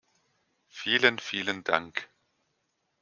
Vielen, vielen Dank.